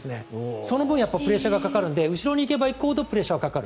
その分プレッシャーがかかるので後ろに行けば行くほどプレッシャーはかかる。